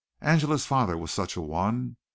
Angela's father was such an one. M.